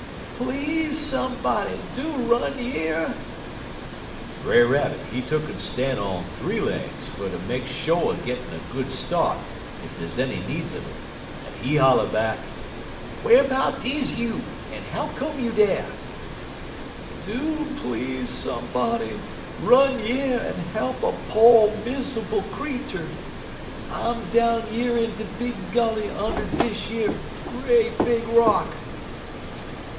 "'Please, somebody, do run yer!' "Brer Rabbit, he tuck'n stan' on th'ee legs fer ter make sho' er gittin' a good start ef dey 'uz any needs un it, en he holler back: "'Whar'bouts is you, en how come you dar?' "'Do please, somebody, run yer en he'p a po' mizerbul creetur. I'm down yer in de big gully und' dish yer great big rock.'